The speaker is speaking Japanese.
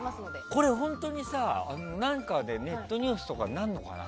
これ本当に何かでネットニュースとかになるのかな。